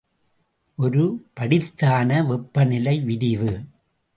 ஒருபடித்தான வெப்ப நிலை விரிவு.